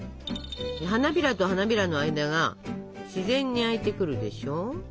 花びらと花びらの間が自然に開いてくるでしょ。